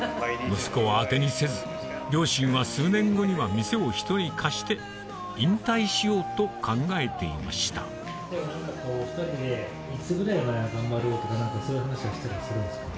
息子は当てにせず両親は数年後には店を人に貸して引退しようと考えていましたお２人でいつぐらいまで頑張ろうとかそういう話はしてたりするんですか？